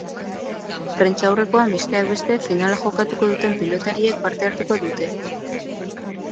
Prentsaurrekoan, besteak beste, finala jokatuko duten pilotariek parte hartuko dute.